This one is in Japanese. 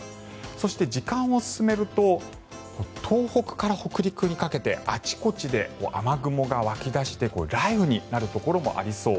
そして時間を進めると東北から北陸にかけてあちこちで雨雲が湧き出して雷雨になるところもありそう。